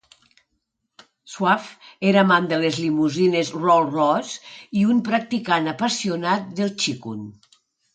Shaw era amant de les limusines Rolls-Royce i un practicant apassionat del txikung.